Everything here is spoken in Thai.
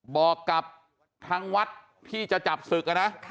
บอกกับทางวัดที่จะจับศึกนะ